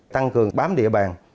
tăng cường bám địa bàn